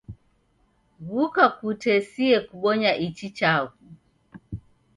W'uka kuitesie kubonya ichi chaghu